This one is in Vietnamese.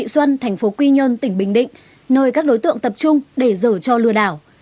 tỉnh bình định thành phố quy nhơn tỉnh bình định nơi các đối tượng tập trung để dở cho lừa đảo